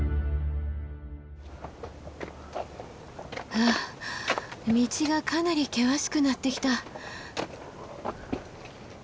ふう道がかなり険しくなってきた。